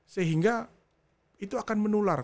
sehingga itu akan menular